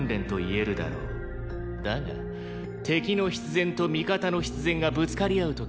だが敵の必然と味方の必然がぶつかり合う時。